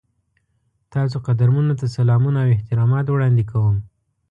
تاسو قدرمنو ته سلامونه او احترامات وړاندې کوم.